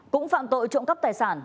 cũng phạm tội trộm cắp tài sản